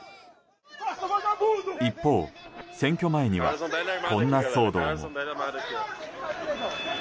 一方、選挙前にはこんな騒動も。